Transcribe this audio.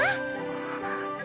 あっ。